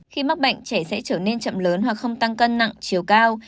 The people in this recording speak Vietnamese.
khi mắc bệnh trẻ sẽ trở nên chậm lớn hoặc không tăng cân nặng chiều cao